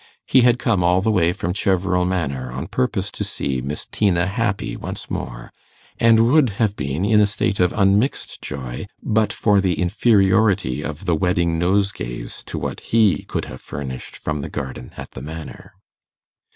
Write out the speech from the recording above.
He had come all the way from Cheverel Manor on purpose to see Miss Tina happy once more, and would have been in a state of unmixed joy but for the inferiority of the wedding nosegays to what he could have furnished from the garden at the Manor.